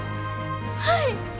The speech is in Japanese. はい！